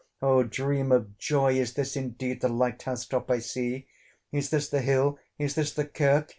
Oh! dream of joy! is this indeed The light house top I see? Is this the hill? is this the kirk?